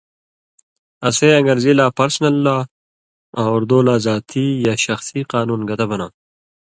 اسے اَن٘گرزی لا پرسنل لاء آں اردو لا ذاتی یا شخصی قانُون گتہ بناں تھہ۔